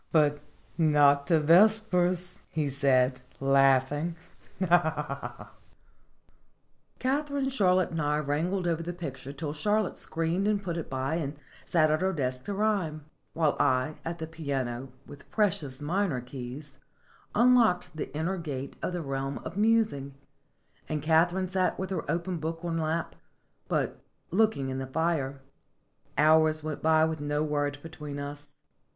"But not to vespers," he said, laughing. Katharine, Charlotte, and I wrangled over the picture till Charlotte screened and put it by, and sat at her desk to rhyme ; while I, at the piano, with precious minor keys, unlocked the inner gates of the realm of musing, and Katharine sat with open book on lap, but look ing in the fire. Hours went by with no word between us.